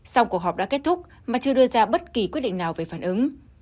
sau cuộc họp đã kết thúc mà chưa đưa ra bất kỳ quyết định nào về phản ứng